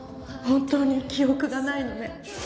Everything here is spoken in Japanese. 本当に記憶がないのね。